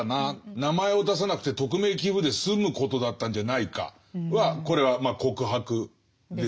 名前を出さなくて匿名寄付で済むことだったんじゃないかはこれは告白ですよね。